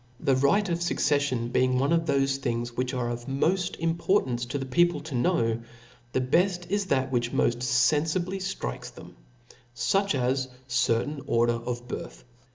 The right of fucceflion being one of thofe things which are of mofl: importance to the people to know, the befl: is that which moft fen fibly fl;rikes them, fuch as a certain order of birth.